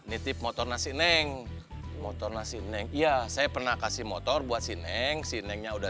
nitip motor nasi neng motor nasi neng iya saya pernah kasih motor buat si neng si nengnya udah